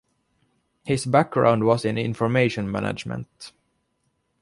His background was in information management.